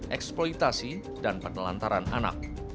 eksploitasi dan penelantaran anak